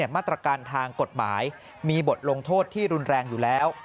มาตรการทางกฎหมายมีบทลงโทษที่รุนแรงอยู่แล้ว